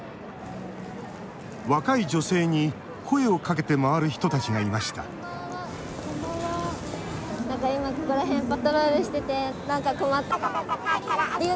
若い女性に声をかけて回る人たちがいましたこんばんは。